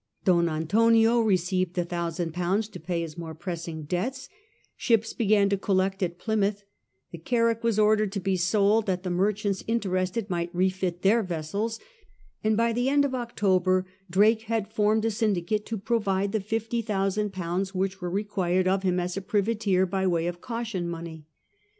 Don Antonio received a thousand pounds to pay his more pressing debts ; ships began to collect at Plymouth; the carack was ordered to be sold, that the merchants interested might refit their vessels ; and by the end of October Drake had formed a syndicate to provide the fifty thousand pounds which was required of him as a privateer by way of caution money.